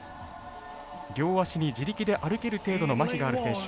両足に自力で歩ける程度のまひがある選手。